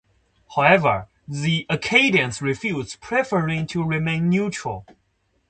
However, the Acadians refused, preferring to remain neutral.